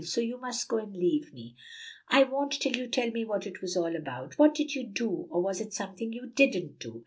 So you must go and leave me." "I won't till you tell me what it was all about. What did you do? or was it something you didn't do?"